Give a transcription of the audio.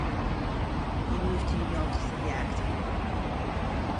He moved to New York to study acting.